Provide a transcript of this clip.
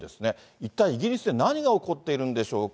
一体イギリスで何が起こっているんでしょうか。